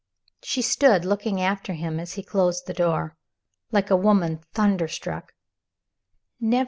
She stood, looking after him as he closed the door, like a woman thunderstruck.